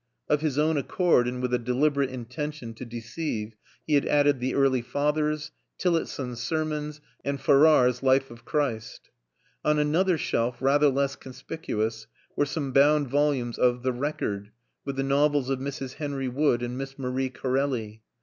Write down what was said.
Of his own accord and with a deliberate intention to deceive, he had added the Early Fathers, Tillotsen's Sermons and Farrar's Life of Christ. On another shelf, rather less conspicuous, were some bound volumes of The Record, with the novels of Mrs. Henry Wood and Miss Marie Corelli.